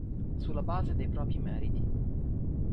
Sulla base dei propri meriti.